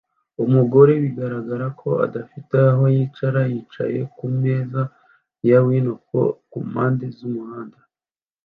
Umugore bigaragara ko adafite aho yicara yicaye ku meza ya Winnie Pooh kumpande z'umuhanda